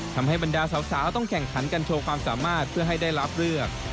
บรรดาสาวต้องแข่งขันกันโชว์ความสามารถเพื่อให้ได้รับเลือก